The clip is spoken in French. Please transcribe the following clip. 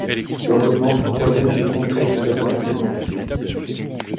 Heureusement, ce projet ne se concrétisa pas complètement.